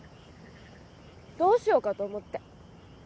どうしようかと思って。